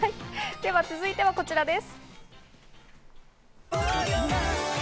では続いてはこちらです。